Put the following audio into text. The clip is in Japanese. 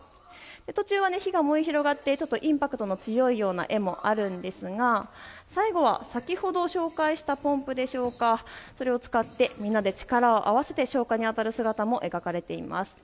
途中は火が燃え広がってインパクトの強い絵もあるんですが最後は先ほど紹介したポンプでしょうか、それを使ってみんなで力を合わせて消火にあたる姿が描かれています。